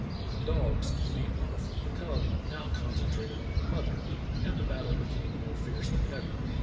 The dogs, beaten off from the cub, now concen trated on the mother, and the battle became more fierce than ever.